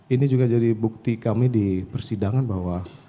ini juga jadi bukti kami di persidangan bahwa